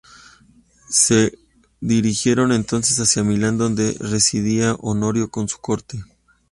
Se dirigieron, entonces, hacia Milán donde residía Honorio con su corte.